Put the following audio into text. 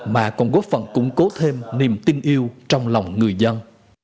mà còn góp phần củng cố thêm niềm tin yêu trong lòng người dân